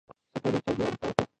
سږکال یې چاردېواله تاو کړه.